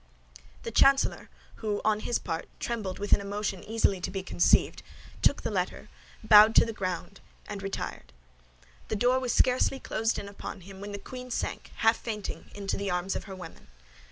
The chancellor, who, on his part, trembled with an emotion easily to be conceived, took the letter, bowed to the ground, and retired. The door was scarcely closed upon him, when the queen sank, half fainting, into the arms of her women.